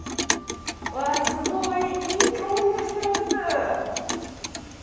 うわあすごいいい香りがしてます。